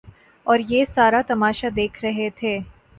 اوریہ سارا تماشہ دیکھ رہے تھے۔